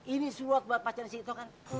ini surat buat pacar si ito kan